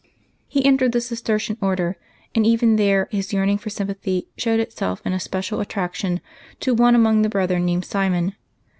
^' He entered the Cistercian Order, and even there his yearning for sympathy showed itself in a special attraction to one among the brethren named Simon.